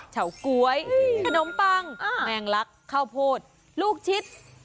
เฉาก๊วยขนมปังแมงลักข้าวโพดลูกชิด